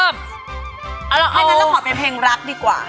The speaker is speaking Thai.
อย่างนั้นเราขอเป็นเพลงรักดีกว่า